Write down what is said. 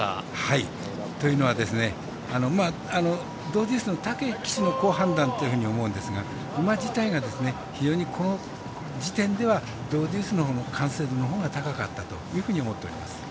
というのはドウデュースの武騎手の好判断というふうに思うんですが馬自体が、この時点ではドウデュースのほうの完成度のほうが高かったというふうに思っております。